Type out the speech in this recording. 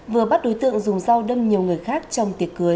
vừa bắt đối tượng dùng dao đâm nhiều người khác trong tiệc cưới